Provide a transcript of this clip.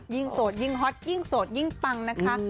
โสดยิ่งฮอตยิ่งโสดยิ่งปังนะคะ